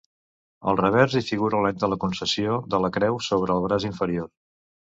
Al revers hi figura l'any de la concessió de la creu sobre el braç inferior.